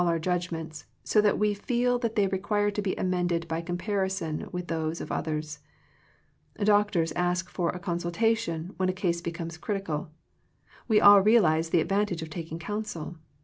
There is always a personal equation in all our judgments, so that we feel that they require to be amended by comparison with those of others. Doc tors ask for a consultation, when a case becomes critical. We all realize the ad vantage of taking counsel.